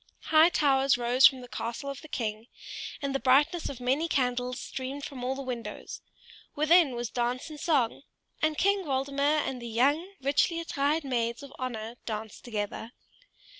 High towers rose from the castle of the king, and the brightness of many candles streamed from all the windows; within was dance and song, and King Waldemar and the young, richly attired maids of honor danced together.